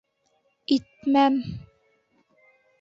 —...итмәм...